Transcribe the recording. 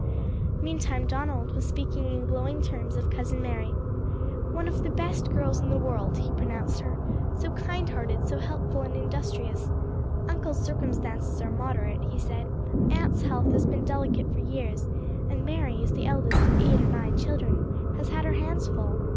Meantime Donald was speaking in glowing terms of Cousin Mary. "One of the best girls in the world," he pronounced her "so kind hearted, so helpful and industrious. Uncle's circumstances are moderate," he said; "Aunt's health has been delicate for years, and Mary, as the eldest of eight or nine children, has had her hands full.